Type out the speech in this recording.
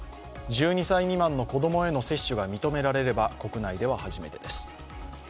１２歳未満の子供への接種が認められれば国内では初めてです。